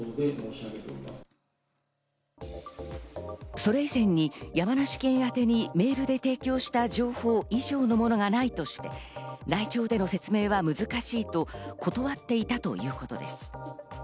それ以前に山梨県宛にメールで提供した情報以上のものはないとして来庁での説明が難しいと断っていたということです。